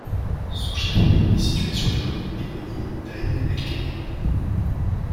Son chef-lieu est situé sur la commune éponyme d'Aïn El Kebira.